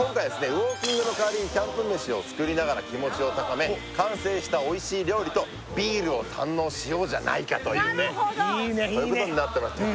ウォーキングの代わりにキャンプ飯を作りながら気持ちを高め完成したおいしい料理とビールを堪能しようじゃないかというねそういうことになってます